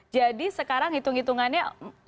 jadi sekarang hitung hitungannya